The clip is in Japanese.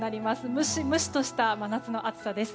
ムシムシとした真夏の暑さです。